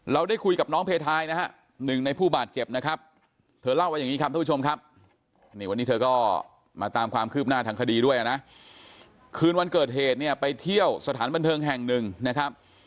เราได้คุยกับน้องเพทายนะฮะหนึ่งในผู้บาดเจ็บนะครับ